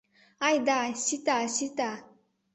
— Айда сита-сита!